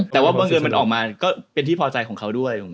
แต่ว่าบังเอิญมันออกมาก็เป็นที่พอใจของเขาด้วย